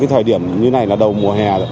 thời điểm như này là đầu mùa hè